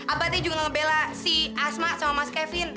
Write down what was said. abah juga ngebelah si asma sama mas kevin